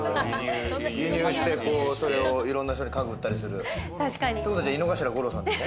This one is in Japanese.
輸入して、それをいろんな人に家具売ったりするってことは井之頭五郎さんってこと？